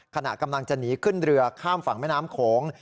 ขณะกำลังจะหนีขึ้นเรือข้ามฝั่งแม่น้ำโขง